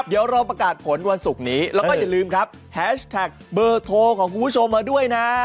เดี๋ยวเราประกาศผลวันศุกร์นี้แล้วก็อย่าลืมครับแฮชแท็กเบอร์โทรของคุณผู้ชมมาด้วยนะ